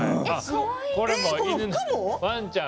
これワンちゃん。